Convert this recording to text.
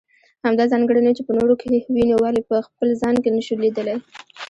همدا ځانګړنې چې په نورو کې وينو ولې په خپل ځان کې نشو ليدلی.